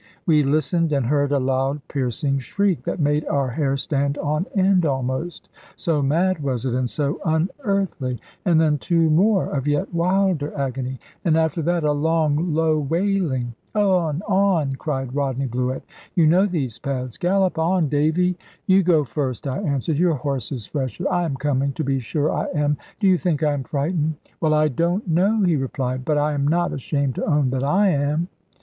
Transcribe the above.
We listened, and heard a loud piercing shriek, that made our hair stand on end almost, so mad was it, and so unearthly; and then two more of yet wilder agony; and after that a long low wailing. "On, on!" cried Rodney Bluett; "you know these paths, gallop on, Davy." "You go first," I answered; "your horse is fresher; I am coming to be sure I am do you think I am frightened?" "Well, I don't know," he replied; "but I am not ashamed to own that I am."